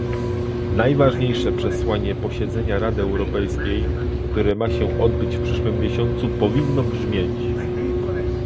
Najważniejsze przesłanie posiedzenia Rady Europejskiej, które ma się odbyć w przyszłym miesiącu powinno brzmieć